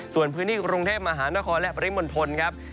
ส่วนพื้นที่กรุงเทพมหานครและปริมณฑลครับ